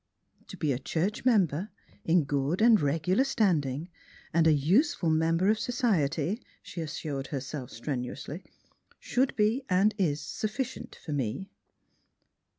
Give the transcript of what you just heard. "To be a church member, in good and regular standing, and a useful member of society," she as sured herself strenuously, "should be and is sufficient for me."